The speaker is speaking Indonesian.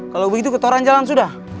kalo begitu ketoran jalan sudah